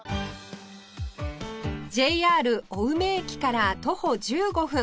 ＪＲ 青梅駅から徒歩１５分